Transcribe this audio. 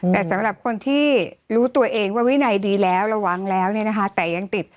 แต่สำหรับคนที่รู้ตัวเองว่าวินัยดีแล้วระวังแล้วเนี่ยนะคะแต่ยังติด